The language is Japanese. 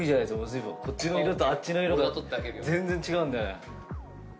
こっちの色とあっちの色と全然違うんだよね。